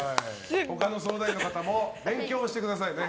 他の相談員の方も勉強してくださいね。